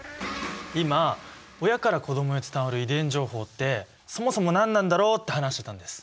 今親から子供へ伝わる遺伝情報ってそもそも何なんだろうって話してたんです。